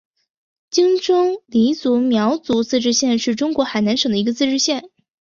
琼中黎族苗族自治县是中国海南省的一个自治县。